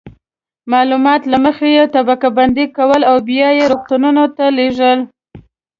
معلومات له مخې یې طبقه بندي کول او بیا یې روغتونونو ته لیږل.